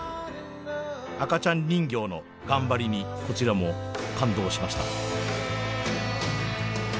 赤ちゃん人形の頑張りにこちらも感動しました。